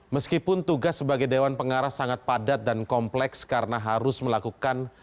meskipun tugas sebagai dewan pengarah sangat padat dan kompleks karena harus melakukan